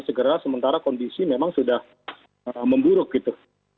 segera sementara kondisi memang sudah memburuk gitu